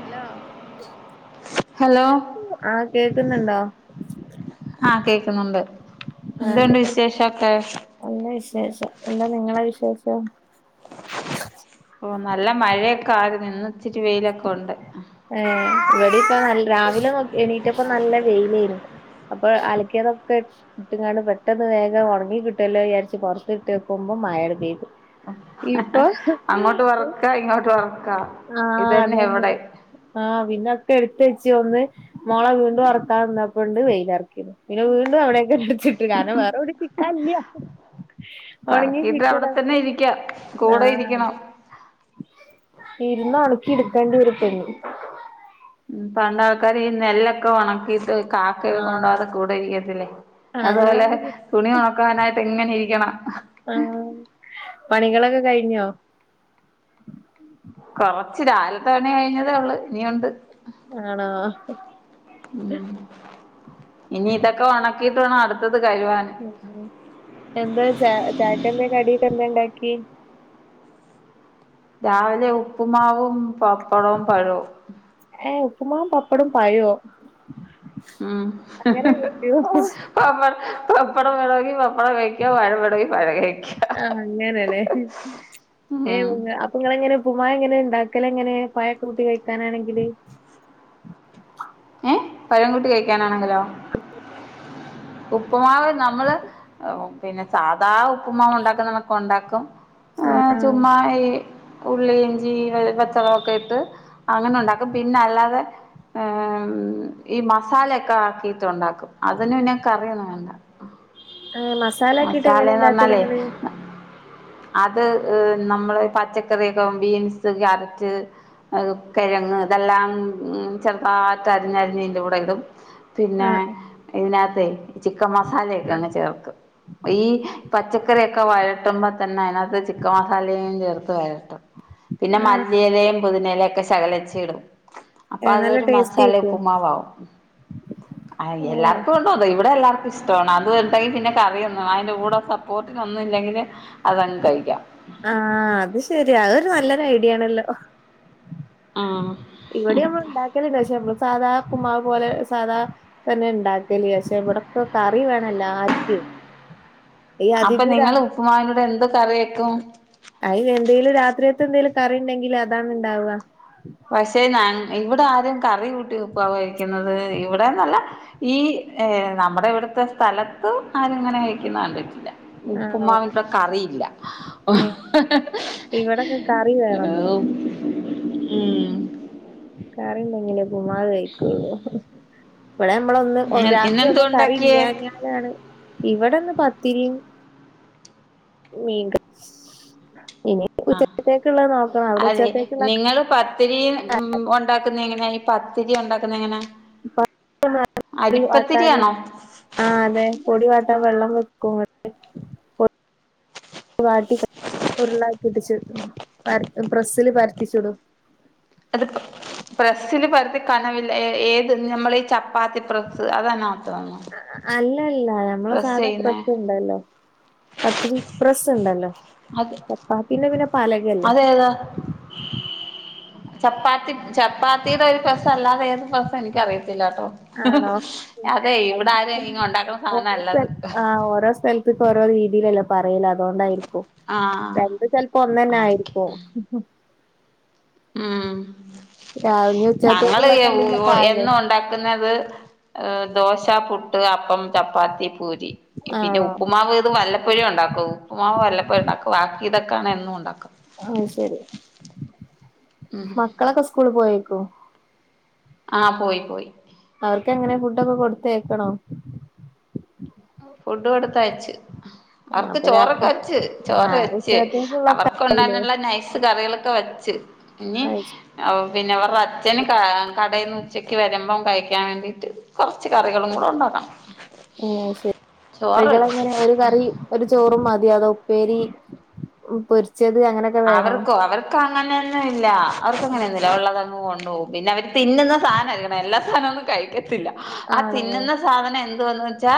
Hello hello ആഹ് കേക്കുന്നുണ്ടോ ആഹ് കേക്കുന്നുണ്ട് ആഹ് എന്തണ്ട് എന്തൊക്കെ വിശേഷൊക്കെ നല്ല വിശേഷം എന്ത നിങ്ങളെ വിശേഷം ഓ നല്ല മഴയൊക്കെ ആയിരുന്നു ഇന്ന്ച്ചിരിവെയിലൊക്കെ ഉണ്ട് ഏ ഇവിടെ ഇപ്പ നല്ല രാവിലെ നോ എണീറ്റ പ്പ നല്ല വെയില്ലേനി അപ്പൊ അലക്കതോക്കെ ഇട്ട് ങ്ങാണ്ട് പെട്ടെന്ന് വേഗം ഉണങ്ങി കിട്ടുല്ലോ വിചാരിച്ച് പുറത്ത് ഇട്ട് ക്കുമ്പോം മഴ പെയ്ത് അങ്ങോട്ട് ഉറക്ക ഇങ്ങോട്ട് ഉറക്ക ആഹ് അതന്നെ ആഹ് പിന്നൊക്കെ എടുത്തച്ച് ഓന്ന് മോളെ വീണ്ടും ഉറക്കാന്നപ്പണ്ട് വെയില് അറക്കിണ് പിന്നെ വീണ്ടും അവിടെയൊക്കെ കാരണം വേറെ എവിടെ കിട്ടൻല്ല ഉണങ്ങി പറക്കിയിട്ട് കിട്ടട അവിടെ തന്നെ ഇരിക്കാം കൂടെ ആഹ് അത ഇരിക്കണം ഇന്ന് ഒൺക്കി എടുക്കേണ്ടി ഒരു പെണ് ഉം പണ്ട ആൾക്കാര് ഈ നെല്ലൊക്കെ ഉണക്കിട്ട് കാക്കൊക്കെ ആഹ് കൊണ്ടാവാതെ കൂടെ ഇരിക്കത്തില്ലേ അതുപോ അതുപോലെ തുണി ഉണക്കാനായിട്ട് ഇങ്ങനെ ഇരിക്കണം ആഹ് പണികളൊക്കെ കഴിഞ്ഞോ കൊറച്ച് രാവിൽത്തെ കണി കഴിഞ്ഞതേ ഉള്ള് ഇനിയുണ്ട് ആണോ ഉ ഇനി ഇതൊക്കെ ഉണക്കിട്ട വാണം അടുത്തത് കഴുവാൻ എന്താ ച ചായക്ക് കടീ എന്തേ ഉണ്ടാക്കി രാവിലെ ഉപ്പുമാവും പപ്പടവും പഴവും ഏ ഉപ്പ്മാവും പപ്പടും പഴവോ ഉം കഴിക്കോ പപ്പട പപ്പട വേണോഗി പപ്പ പപ്പട കഴിക്കാ പഴോവേണോഗി പഴ കഴിക്ക ആഹ് അങ്ങനെല്ലേ ഉം നിങ്ങളെങ്ങനെ ഉപ്പു മാവ് എങ്ങനെ ഇണ്ടാക്കല എങ്ങനെ പായക്ക കൂട്ടി കഴിക്കാനാണെങ്കില് ഏ പഴംകൂട്ടി കഴിക്കാനാണെങ്കിലോ ഉപ്പമാവ് നമ്മള് പിന്നെ സാധാ ഉപ്പ്മാവ് ഉണ്ടാക്കുന്ന ഉണ്ടാക്കും ആഹ് ആഹ് ചുമ്മാ ഈ ഉള്ളി ഇഞ്ചി വെ പച്ചളമൊക്കെ ഇട്ട് അങ്ങനെ ഉണ്ടാക്കും പിന്നെ അല്ലാതെ ഉം ഈ മസാലയൊക്കെ ആക്കിട്ടുണ്ടാക്കും അതിന് പിന്ന കറിയന്ന വേണ്ട ആ മസാലക്കിയിട്ട് എങ്ങനെ മസാലയെന്ന് പറഞ്ഞാലേ ഉണ്ടാക്കല്ങ്ങള് അത് നമ്മള് പച്ചക്കറിയോക്ക ബീൻസ് കാരറ്റ് അതൊക്കെ കിഴങ്ങ് ഇതെല്ലാം ചെർ താ രിഞ്ഞരിഞ്ഞ ഇന്റെ കൂടെ ഇടും പിന്നെ ആഹ് ഇതിനകത്തെ ചിക്കൻ മസാലയൊക്കെ ആഹ് അങ്ങ് ചേർക്കും ഈ പച്ചക്കറിയൊക്കെ വഴട്ടുമ്പോ തന്നെ അതിനകത്ത് ചിക്കൻ മസാലയും ചേർത്ത് വഴ ട്ടും പിന്നെ ആഹ് മല്ലിയിലേയും പുതിനേലേ ഒക്കെ ശകലച്ചി ഇടും നല്ല ടേസ്റ്റ് സാലെ ഉപ്പമാവാവും അ ഓഹ് എല്ലാർക്കും [unintelligible] പ ഇവിടെ എല്ലാർക്കും ഇഷ്ടമാണ്. അത് എന്തെങ്ക പിന്നെ കറിയന്നും, അതിന്റെ കൂടെ സപ്പോർട്ട്. ഒന്നും ഇല്ലെങ്കില് അതങ്ങ് കഴിക്കാം. ആഹ അത് ശെരിയാ. അത് ഒരു നല്ലൊരു ഐഡിയ ആണല്ലോ. ആഹ് ഇവിടെ നമ്മൾ ഉണ്ടാക്കലണ്ട്. പക്ഷേ മ്മ സാധാ ഉപ്മ പോലെ, സാധാ. തന്നെ ഇണ്ടാക്കല്. പക്ഷെ ഇവിടക്കൊ കറി വേണല്ലാർക്ക്. അപ്പ നിങ്ങള് ഉപ്പുമാവിന്റുടാ എന്ത് കറി വെക്കും? അയിന് എന്തേങ്കിലും രാത്രിയത്ത് എന്തേലും കറിണ്ടെങ്കിൽ അതാണ് ഉണ്ടാവുക. പക്ഷെ ഞ ഇവിടെ ആരും കറി കൂട്ടി ഉപ്പാവ് കഴിക്കുന്നത് ഇവിടെന്നല്ല. ഈ ഏ നമ്മുടെ ഇവിടുത്തെ സ്ഥലത്ത് ആരിങ്ങനെ കഴിക്കുന്ന കണ്ടിട്ടില്ല. ആ ഉപ്മാവിപ്പോ കറിയില്ല. ഇവിടെക്കെ കറി വേണം [unintelligible] ഉം. കറിയൊണ്ടെങ്കിലെ ഉപ്പുമാവു കഴിക്കോളു ഇവിടെ നമ്മളൊന്ന് രാത്രി ഇന്നെന്തോ ഒന്നും കറി ഉണ്ടാക്കിയേ? ഇല്ലഞ്ഞാലാണ്. ഇവിടെ ഒന്ന് പത്തിരിയും, [unintelligible] ആഹ് ഉച്ചത്തേക്കുള്ളത് നോക്കണം അവിടെ അതെ ഉച്ചത്തേക്കുള്ള നിങ്ങള് പത്തിരി ഒൺ ഉണ്ടാക്കുന്ന എങ്ങനാ, ഈ പത്തിരി ഉണ്ടാക്കുന്ന എങ്ങനാ, അരിപ്പത്തിരിയാണോ? ആഹ അതെ പൊടി വാട്ടാൻ വെള്ളം വെക്കും [unintelligible] വാട്ടി ഉരുളാക്കിടിച്ചു പ്രസ്സില് പരത്തിച്ചുടും. അത് പ്രസില് പരത്തി കനവില്ല ഏത് നമ്മള ഈ ച പാത്തിപ്രസ് അതാ നാ [unintelligible] അല്ലല്ല ഞമ്മള സാധാ പ്രസ്ണ്ടല്ലോ. പത്തിരി പ്രസ് ഉണ്ടല്ലോ. അത് ചപ്പാത്തീനെ പിന്നെ പലകയല്ലേ [inaudible] [inaudible] ചപ്പാത്തി ചപ്പാത്തിയുടെ ഒരു പ്രസ്സ് അല്ലാതെ ഏത് പ്രസ്സ് എനിക്കറിയത്തില്ലാട്ടോ. ആണോ അതെയ് ഇവിട ആരും അതിപ്പം അങ്ങിങ്ങ ഉണ്ടാക്കണ ഓരോ സാധനല്ലത്. സ്ഥൽ ആ ഓരോ സ്ഥല ഇതിപ്പ ഓരോ രീതിയിലല്ലോ പറയല് അതുകൊണ്ടായിരിക്കും. ആഹ് രണ്ട് ചിലപ്പോ ഒന്ന്‌ തന്നെ ആരിക്കും ആയിരിക്കും. ഉം ഉം. ഉം രാവിലെ ഞങ്ങള് എ ഉച്ചത്തേക്കുള്ളൊക്കെ ഒ എന്തെങ്കിലുമൊക്കെ ആയോ എന്നും ഉണ്ടാക്കുന്നത്, ഏ ദോശ, പുട്ട്, അപ്പം, ചപ്പാത്തി, പൂരി പിന്നെ ആണോ ഉപ്പുമാവ് ഇത് വല്ലപ്പൊഴും ഉണ്ടാക്കും. ഉപ്പുമാവ് വല്ലപ്പഴും ഉണ്ടാക്കും. ബാക്കി ഇതൊക്കാണ് എന്നും ഉണ്ടാക്കും. ആയ് ശരി. മക്കളൊക്കെ സ്കൂള് പോയേക്കോ? ആഹ പോയി പോയി. അവർക്ക്ങ്ങനെ ഫുഡ ഒക്കെ കൊടുത്തേയക്കണോ? ഫുഡ് കൊടുത്തയച്ച്. ആ, അർക്ക് അപ്പൊ രാ ചോറൊക്കെ വച്ച്. ആ ചോറ് വച്ച്. ഉച്ചത്തേക്കുള്ളൊക്കെ അവർക്ക ആയില്ലേ ഉണ്ടങ്ങനുള്ള നൈസ് കറികളൊക്കെ വച്ച ച് അത് പിന്നെ അവ അവർടെ അച്ഛന് കാ കടേന്ന് ഉച്ചക്ക് വരുമ്പം കഴിക്കാൻ വേണ്ടിട്ട്, കുറച്ച് കറികളും കൂടെ ഉണ്ടാക്കണം. [unintelligible] ചോറ് വെച്ച് കളങ്ങനെ [unintelligible] കറി ഒരു ചോറും മതി. അത ഉപ്പേരി, പൊരിച്ചത് അങ്ങനെ. അവർക്കോ അവർ കങ്ങനെന്നുല്ല. അവർക്കു അങ്ങനേംന്നില്ല ഉള്ളതങ് കൊണ്ടു പോകും. പിന്നെ അവര് തിന്നുന്ന സാധന നല്ല സാധനം ഒന്നും കഴിക്കത്തില്ല. ആ ആണോ തിന്നുന്ന സാധനം എന്ത്‌ ന്തോന്ന് വെച്ചാ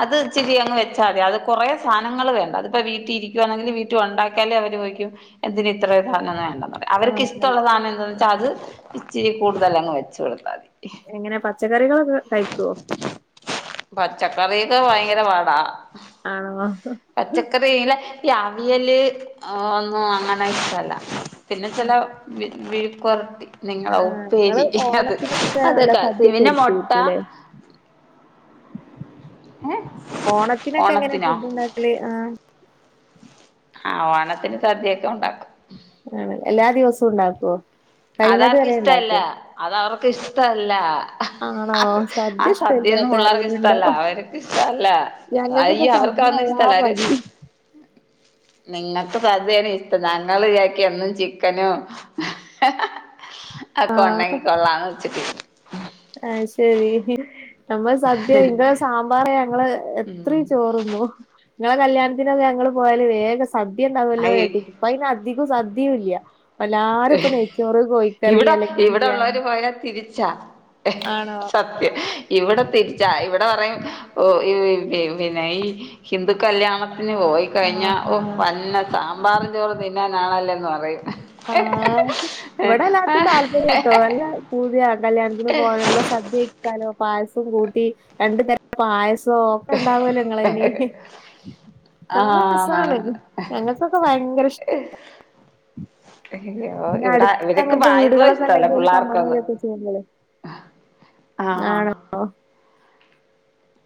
അത് ഇച്ചിരി അങ്ങ് വെച്ചാ മതി. അത് കുറെ സാധനങ്ങൾ വേണ്ട. അതിപ്പോ വീട്ടിരി [unintelligible] ന്നെങ്കിൽ വീട്ടിൽ ഉണ്ടാക്കാലേ അവര് പോയ്ക്കും. എന്തിന് ഇത്രയും സാധനം വേണ്ടന്ന്. അവർക്ക് ആഹ് ഇഷ്ടമുള്ള സാധനം എന്താ വെച്ചാൽ അത്. ഇച്ചിരി കൂടുതൽ അങ്ങ് വെച്ച് കൊടുത്താ മതി എങ്ങനെ പച്ചക്കറികളൊക്കെ കഴിക്കുവോ പച്ചക്കറിയൊക്കെ ഭയങ്കര പാടാ ആണോ പച്ചക്കറിയില് ഈ അവിയല് അ ഒന്നും അങ്ങനെ ഇ്ഷടമല്ല പിന്നെ ചില മി മിഴ്ക്ക്പരട്ടി നിങ്ങള് ഞങ്ങള് ഉപ്പേരി അത് ഓണൊക്കെ നല്ല അതൊക്കെ സി സദ്യൊക്കെ പിന്നെ മുട്ട ഒരുക്കിയിരിക്കൂല്ലേ ഏ ഓണത്തിനൊക്കെ എങ്ങനെയാ ഓണത്തിനോ ഫുഡ് ഉണ്ടാക്കല് ആ ആഹ് ഓണത്തിന് സദ്യയൊക്കെ ഉണ്ടാക്കും ആണ്, എല്ലാ ദിവസും ഇണ്ടാക്കോ? കയ്യ്ണത് വരെ ഇണ്ടാക്കോ? അതവർക്കിഷ്ടവല്ല ആണോ [unintelligible] സദ്യ ആഹ് സദ്യൊന്നും ഇഷ്ടല്ലാത്ത പിള്ളാർക്ക് ആരേലും ഉണ്ടോ? ഇഷ്ടമല്ല അവർക്ക് ഇഷ്ടല്ല ഞങ്ങക്കൊക്കെ അയ്യോ സദ്യ അവർക്കതൊന്നും ആയാ ഇഷ്ടമല്ല അവര് മതി നിങ്ങൾക്ക് സദ്യയാണ് ഇഷ്ടം ഞങ്ങൾ വിചാരിക്കും എന്നും ചിക്കനും [unintelligible] കൊള്ളാംന്ന് [unintelligible] അത് ശരി നമ്മൾ സദ്യ ഇങ്ങള് സാമ്പാറ് ഞങ്ങള് എത്രയും ചോറുണ്ണും ഞാൻ കല്യാണത്തിന് ഞങ്ങള് പോയല് ഇത് വേഗം സദ്യയുണ്ടാവുമല്ലോ അയ് ഇപ്പ അതിന് അധികം സദ്യയും ഇല്ല എല്ലാരുപ്പൊ നെയ്ച്ചോറ്, കോയിക്കറി, ഇവിടെ അല്ലെങ്കി ഇവിടെ ബിരിയാണി [unintelligible] തിരിച്ചാ ആണോ സത് ഇവിടെ തിരിച്ച ഇവിടെ പറയും ഒ ഇ പിന്നെ ഈ ഹിന്ദു കല്യാണത്തിന് പോയി ആഹ് കഴിഞ്ഞാ ഓ ആഹ് പന്ന സാമ്പാറും ചോറ് തിന്നാനാണല്ലേന്ന് പറയും ആഹ് ഇവിടെല്ലാവർക്കും താല്പര്യാ കേട്ടോ അല്ല പൂതിയ കല്യാണത്തിന് പോകാനുള്ള സദ്യകഴിക്കാലോ പായസം കൂട്ടി രണ്ടു തരം പായസം നോക്കണ്ടാവൂലോ നിങ്ങളെ ഇനി നല്ല ആഹ് രസാണ് ഞങ്ങൾക്കൊക്കെ ഭയങ്കര ഇഷ്ട [inaudible] അയ്യോ പിന്നെ ഇവിടെ അടുത്ത് ഇവരൊക്കെ അങ്ങനത്തെ പാല് പോലും വീടുകളൊക്കെ ഇഷ്ടമല്ല ഉണ്ടെങ്കിൽ ഓല് കൊണ്ടുവന്ന് പിള്ളാർക്കൊന്നും തരുവൊക്കെ ചെയ്യും ഞങ്ങള് ആഹ് ആണോ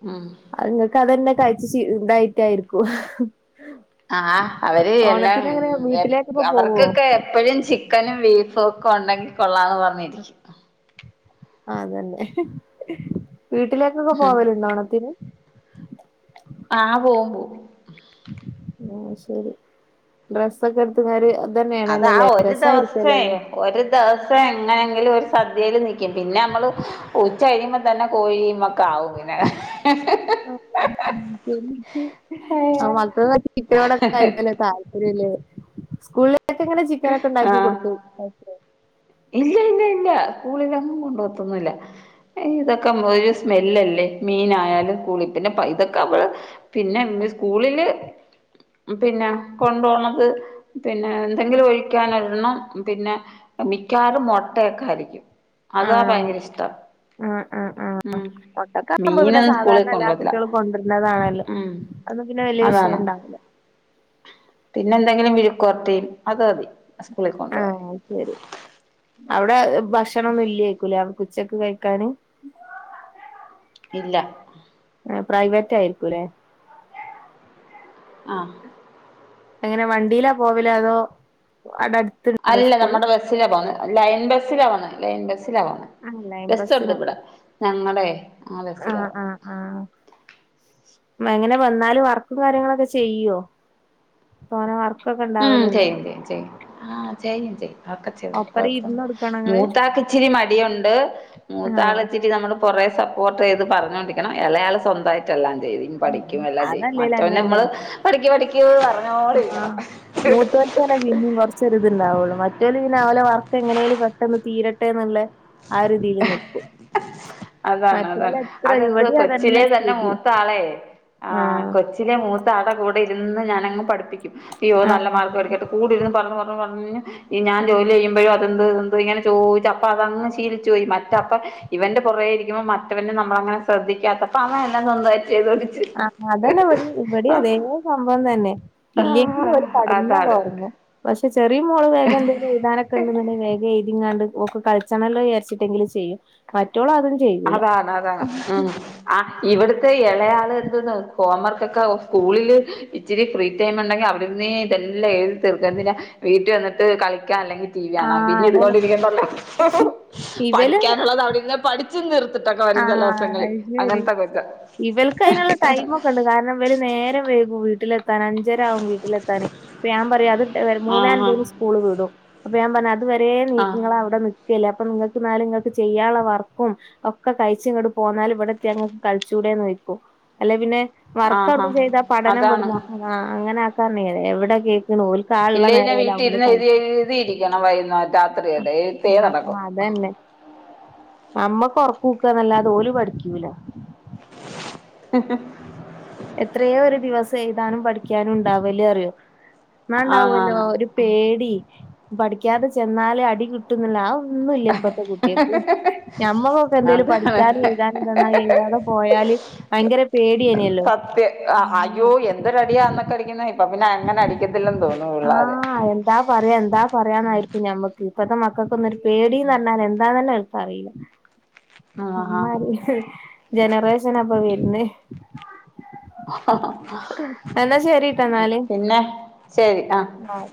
മം അത് നിങ്ങക്ക് അതന്നെ കഴിച്ച് ശീ ഇതായിട്ടായിരിക്കും ആഹ് അവര് എല്ലാം ഓണത്തിന് ഉം അങ്ങനെ എൽ വീട്ടിലേക്കൊക്കെ പോകും അവർക്കൊക്കെ എപ്പോഴും ചിക്കനും ബീഫും ഒക്കെ ഉണ്ടെങ്കിൽ കൊള്ളാന്ന് പറഞ്ഞിരിക്കും അതന്നെ [unintelligible] വീട്ടിലേക്കൊക്കെ ഉം പോവലുണ്ടോ ഓണത്തിന് ആഹ് പോകും പോകും ആഹ് ശരി ഡ്രെസ്സൊക്കെ എടുത്ത് തരുവോ ഇതന്നെയ അത് ആ ആണല്ലല്ലേ ഒരു ദിവസേ രസമായിരിക്കല്ലല്ലേ ഒരു ദിവസം എങ്ങനെങ്കിലും ഒരു സദ്യയിൽ നിക്കും പിന്നെ നമ്മള് ഉ ച്ചകഴിയുമ്പതന്നെ കോഴിയുമൊക്കാവും പിന്നെ [unintelligible] മക്കൾക്ക് ചിക്കനോടൊക്കെ ആയിരിക്കുമല്ലോ താല് ലേ സ്കൂളിലൊക്കെ ഇങ്ങനെ ചിക്കനൊക്കെ ഉണ്ടാക്കി ആഹ് കൊടുത്ത് വിടുവോ ഇല്ല ഇല്ല ഇല്ല സ്കൂളിലൊന്നും കൊണ്ടുപോകത്തൊന്നുമില്ല. ഇതൊക്കെ ഒരു സ്മെല്ലല്ലേ? മീനായാലും കൂളി പിന്നെ പൈസക്ക [unintelligible] പിന്നെണ്ട് സ്കൂളില് പിന്നെ കൊണ്ടുപോണത് പിന്നെ എന്തെങ്കിലും ഒഴിക്കാൻ ഒരണ്ണം പിന്നെ മിക്കവാറും മുട്ടയൊക്കെ ആയിരിക്കും അതാ ആണോ ഭയങ്കര ഇഷ്ടം ഉം മൊട്ടൊക്കെ ആവുമ്പോ പിന്നെ മീനൊന്നും സ്കൂളിൽ സാധാരണ എല്ലാ കൊണ്ടോകത്തില്ല കുട്ടികളും കൊണ്ടുവരുന്നതാണല്ലോ ഉം അതു പിന്നെ വലിയ വിഷയം അതാണ് ഉണ്ടാവില്ല പിന്നെ എന്തെങ്കിലും വിഴുക്കുപുരട്ടി അത് മതി സ്കൂളിൽ കൊണ്ടുപോകാൻ ആ ശരി അവിടെ ഭക്ഷണ ഒന്നും ഇല്ലേയിക്കുല്ലേ അവർക്ക് ഉച്ചക്ക് കഴിക്കാന്. ഇല്ല ആ പ്രൈവറ്റ് ആയിരിക്കൂല്ലേ? ആഹ്‌ എങ്ങനെ വണ്ടിയിലാ പോവില് അതോ അടെ അട് അല്ല നമ്മുടെ ബസ്സിലാ പോന്ന് ലൈൻ ബസ്സിലാ പോന്നുന്നത് ലൈൻ ബസ്സിലാ പോണെ ആഹ് ലൈൻ ബസ്സുണ്ട് ബസ്സിനല്ലേ ഇവിടെ ഞങ്ങളെ ആ ആഹ് ബസ്സിലവാം ആഹ് ആഹ് മെങ്ങനെ വന്നാല് വർക്കും കാര്യങ്ങളൊക്കെ ചെയ്യുവോ? പാർക്കൊക്കേട് ഉം ചെയ്യും ചെയ്യും ചെയ്യും ആഹ് ചെയ്യും ചെയ്യും ഒക്കെ ചെയ് ഒപ്പരം കുഴപ്പം ഇരുന്ന് കൊടുക്കണോ ഇങ്ങള് മൂത്താക്ക ഇച്ചിരി മടിയുണ്ട് മൂത്താള് ആഹ് ഇച്ചിരി നമ്മള് കുറേ സപ്പോർട്ട് ചെയ്ത് പറഞ്ഞോൊണ്ടിരിക്കണം ഇളയാള് സ്വന്തമായിട്ട് അല്ല ചെയ്തു പഠിക്കും എല്ലാം ചെയ്യും അതല്ലേലും മറ്റവന്ന നമ്മള് അങ്ങനെന്നെല്ലേ പഠിക്ക് പഠിക്ക് പറഞ്ഞോണ്ട് ഇരിക്കണം മു പിന്നെ കുറച്ചൊരിത്ണ്ടാവുള്ളൂ മറ്റേല് പിന്നെ അവലെ വർക്ക് എങ്ങനെല് പെട്ടെന്ന് തീരട്ടെന്ന്ള്ളേ ആ രീതിയിലു നിക്കു. [unintelligible] അതാണ് അതാണ് അതെന്ത് ഇവിടിം കൊച്ചിലെ അതന്നെ തന്നെ സ്ഥിതി മൂത്ത ആളെ ആ ആഹ് കൊച്ച് ച്ചിലെ മൂത്ത ആടെ കൂടെ ഇരുന്ന് ഞാനങ്ങ് പഠിപ്പിക്കും അയ്യോ നല്ല മാർക്ക് ആഹ് ഒരുക്കട്ടു കൂടിരുന്ന് പറ പറ പറഞ്ഞ് ഈ ഞാൻ ജോലി ചെയ്യുമ്പോഴും അതെന്ത് ഇങ്ങനെ ചോദിച്ച അപ്പൊ അതങ്ങ് ശീലിച്ചു യി മറ്റപ്പ ഇവന്റെ പുറകോയിരിക്കുമ്പോ മറ്റവനെ നമ്മളങ്ങനെ ശ്രദ്ധിക്കാത്തപ്പ അവനെല്ലാം സ്വന്തായി ചെയ്തോ ആഹ് അതന്നെ ഇവടി ഇവടീ അതേ സംഭവം തന്നെ. ആ ഇല്ലെങ്കിലും ഓല് കടുന്നാട് അതാണ് ഒറങ്ങു. പക്ഷെ ചെറിയ മോള് വേഗം എന്തെങ്കിലും എയ്താനൊക്കെ ഉണ്ട്ന്ന് ഉണ്ടെങ്കി വേഗം എഴുതിങ്ങാണ്ട് ഓക്ക് കളി ചെമല്ലേ ഇരിച്ചിട്ടെങ്കും ചെയ്യും മറ്റോളോ അത് അതാണ് അതാണ് ഉം. ആഹ് ഇവിടുത്തെ ഇളയാള് എന്തന്ന് ഹോംവർക്കൊക്കെ സ്കൂളില് ഇ ഇച്ചിരി ഫ്രീ ടൈം ഉണ്ടെങ്കി അവിടുന്നെ ഇതെല്ലാം എഴുതി തീർക്കുക എന്തിനാ വീട്ട വന്നട്ട് കളിക്കാൻ അല്ലെങ്കി ത്തിലാണ് ആഹ് പിന്നെ അതന്നെ ഇടുണ്ടിരിക്ക ഇവല് പഠിക്കാനുള്ളത് അവിടെ പഠി ന്ച് നിർത്തിട്ടൊക്കെ വര ആഹ് ചല്ലസങ്ങളി അത് ശരി അങ്ങനത്തെ കൊക്കെ വല് നേരം വൈകു വീട്ടിലെത്താൻ അഞ്ചര ആവു വീട്ടിലെത്താാന് പയാൻ പറയാ അത് എഹ് മൂന്നേ ആഹ് അൻമ്പയ്ന് സ് കൂള് വീടും അപ്പൊ ഞാൻ പറഞ് അതുവരെ ആഹ് നിങ്ങള അവിടെ നി ക്കല്ലേ അപ്പം നിങ്ങൾക്ക് ന്നാലും നിങ്ങക്ക് ചെയ്യാൻള്ള വർക്കും ഒ ക്കെ കഴിച്ങ്ങട്ട് പോന്നാലും ഇവടെ ങ്ങൾക്ക് കളിചൂടെ നോയ്ക്കും അല്ലെ പിന്നെ വർക്ക് ആഹ് ഔട്ന്ന് ആഹ് ചെയ്താ പഠനം അതാണ് ഇവട ആ അങ്ങനെ ആക്കാണ എവിടെ കേൾക്കണ ഇല്ല ഇന്നെ വീട്ടിൽ ഇരുന്ന് എഴുതി എഴുതിയിരിക്കണം വൈരുന്നറ്റ ആഹ് ആഹ് അതന്നെ അമ്മക്ക് ഉറക്കൂക്കന്നല്ലാതെ ഓല് പഠിക്കൂല ഹ് ഹ് എത്രയോ ഒരു ദിവസം എഴുതാനും പഠിക്കാനു ഉണ്ടാവല്ലേ അറിയോ ന്നാണ്ടാവല്ലോ ആന്നാന്ന് ഒരു പേടി പഠിക്കാതെ ചെന്നാല് അടി കിട്ടുന്ന്ള്ള ആഒ ന്നുല്ല ഇപ്പത്തെ കുട്ട്യേക്ക് ഞമ്മക്കൊക്കെ എന്തേലും പഠിക്കാനു അതാണ് എയിതാനു തന്ന അത്‌ എഴതാതെ പോയാല് ഭയങ്കര പേടിയനല്ലോ. അയ്യോ എന്ത് റെഡിയാന്നൊക്കെ അടിക്കുന്ന ഇപ്പ പിന്നെ എങ്ങനെ അടിക്കത്തില്ലന്ന് തോന്നൂ വിള്ളാരെ ന്താ പറയാ എന്താ പറയാന്നായിരിക്കും ഞമ്മക്ക് ഇപ്പഴത്തെ മക്കക്ക് ഒന്നൊര് പേടിന്ന് ർഞ്ഞാൽ എന്താന്നെന്നെ അറീല ആഹാ അമ്മായിരി ഹ് ജനറേഷൻ അപ്പൊ വരുന്നെ എന്നാ ശരിട്ടോ പിന്നെ ശരി അഹ് ആഹ്